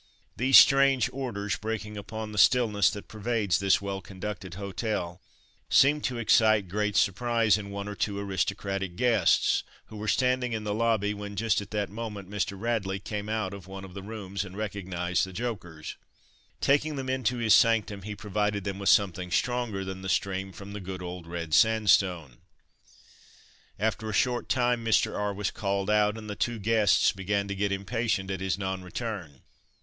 These strange orders, breaking upon the stillness that pervades this well conducted hotel, seemed to excite great surprise in one or two aristocratic guests, who were standing in the lobby, when just at the moment Mr. Radley came out of one of the rooms and recognised the jokers. Taking them into his sanctum, he provided them with something stronger than the stream from the good old red sandstone. After a short time Mr. R. was called out, and the two guests began to get impatient at his non return.